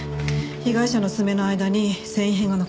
被害者の爪の間に繊維片が残ってた。